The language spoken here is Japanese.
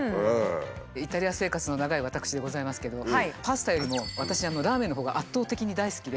イタリア生活の長い私でございますけれどもパスタよりも私ラーメンのほうが圧倒的に大好きで。